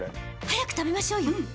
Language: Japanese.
早く食べましょうよ。